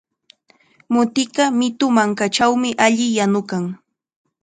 Mutiqa mitu mankachawmi alli yanukan.